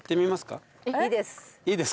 いいです。